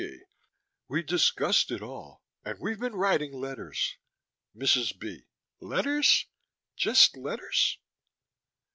G.: We discussed it all. And we've been writing letters. MRS. B.: Letters? Just letters?